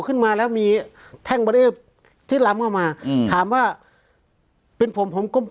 ขึ้นมาแล้วมีแท่งเบรีเออร์ที่ล้ำเข้ามาอืมถามว่าเป็นผมผมก็